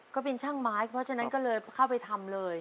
ก็เป็นช่างไม้เพราะฉะนั้นก็เลยเข้าไปทำเลย